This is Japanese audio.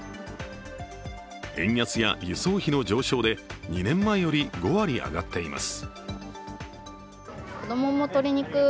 円安や輸送費の上昇で２年前より５割上がっています。